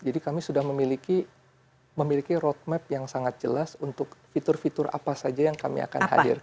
jadi kami sudah memiliki road map yang sangat jelas untuk fitur fitur apa saja yang kami akan hadirkan